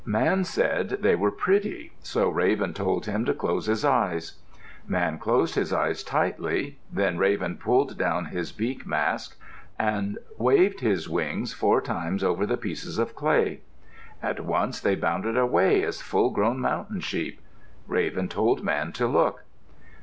Man said they were pretty, so Raven told him to close his eyes. Man closed his eyes tightly. Then Raven pulled down his beak mask, and waved his wings four times over the pieces of clay. At once they bounded away as full grown mountain sheep. Raven told Man to look.